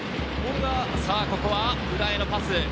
ここは裏へのパス。